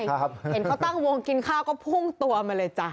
เห็นเขาตั้งวงกินข้าวก็พุ่งตัวมาเลยจ้ะ